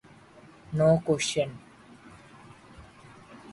No question.